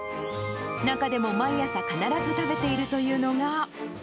中でも毎朝、必ず食べているというのが。